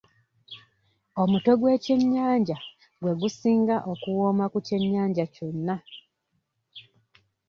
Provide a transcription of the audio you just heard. Omutwe gw'ekyennyanja gwe gusinga okuwoma ku kyennyanja kyonna.